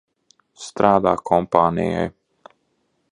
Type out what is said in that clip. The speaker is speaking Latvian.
Strādā kompānijai.